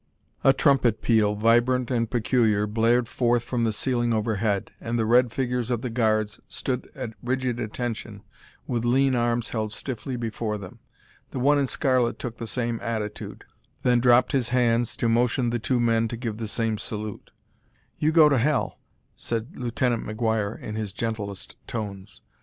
A trumpet peal, vibrant and peculiar, blared forth from the ceiling overhead, and the red figures of the guards stood at rigid attention with lean arms held stiffly before them. The one in scarlet took the same attitude, then dropped his hands to motion the two men to give the same salute. "You go to hell," said Lieutenant McGuire in his gentlest tones.